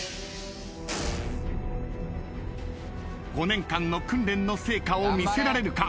５年間の訓練の成果を見せられるか？